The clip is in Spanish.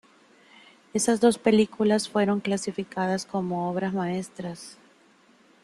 Esas dos películas fueron calificadas como obras maestras.